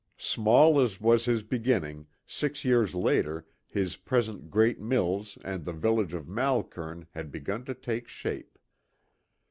Small as was his beginning, six years later his present great mills and the village of Malkern had begun to take shape.